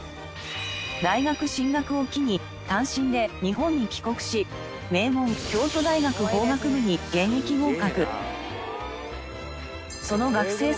大学進学を機に単身で日本に帰国し名門京都大学法学部に現役合格。